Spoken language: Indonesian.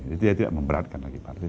dia tidak memberatkan lagi partai dia